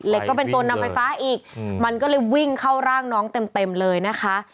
ก็เป็นตัวนำไฟฟ้าอีกมันก็เลยวิ่งเข้าร่างน้องเต็มเลยนะคะ